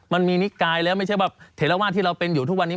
นิกายแล้วไม่ใช่แบบเถระวาสที่เราเป็นอยู่ทุกวันนี้